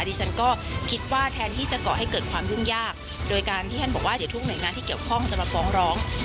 ดิฉันก็คิดว่าแทนที่จะก่อให้เกิดความยุ่งยากโดยการที่ท่านบอกว่าเดี๋ยวทุกหน่วยงานที่เกี่ยวข้องจะมาฟ้องร้อง